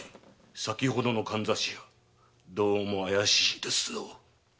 先ほどの簪屋どうも怪しいですぞ。